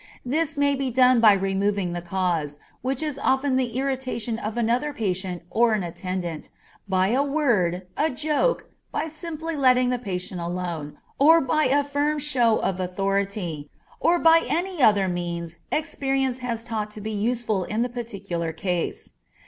This may be done by removing the cause, which is often the irritation of another patient or an attendant, by a word, a joke, by simply letting the patient alone, or by a firm show of authority, or by any other means experience has taught to be useful in the particular case.